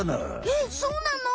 えっそうなの？